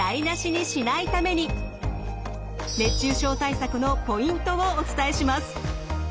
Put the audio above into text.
せっかくののポイントをお伝えします。